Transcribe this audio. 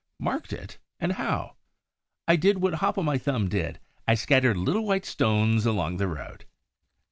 Marked it? And how?" "I did what Hop o' My Thumb did: I scattered little white stones along the road."